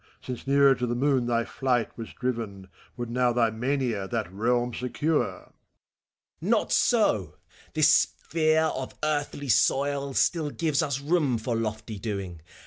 Since nearer to the moon thy flight was driven, Would now thy mania that realm secure T FAUST. Not so ! This sphere of earthly soil Still gives us room for lofty doing.